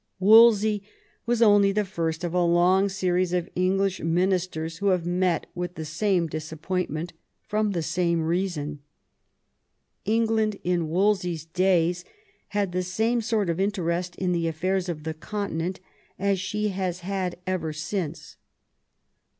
Wolsey was only the first of a long series of English ministers who have met with the same disappointment from the same reason. England in Wolsey's days had the same sort of interest in the affairs of the Continent as she has had ever since.